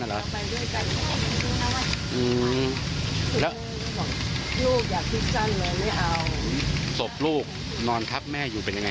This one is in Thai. อืมแล้วสบลูกนอนทับแม่อยู่เป็นไง